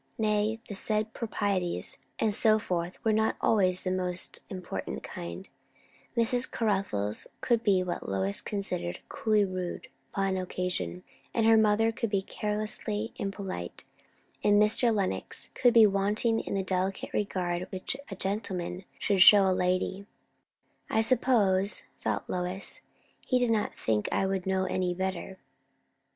Nay, the said "proprieties" and so forth were not always of the most important kind; Miss Caruthers could be what Lois considered coolly rude, upon occasion; and her mother could be carelessly impolite; and Mr. Lenox could be wanting in the delicate regard which a gentleman should show to a lady; "I suppose," thought Lois, "he did not think I would know any better."